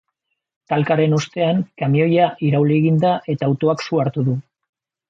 Talkaren ostean, kamioia irauli egin da, eta autoak su hartu du.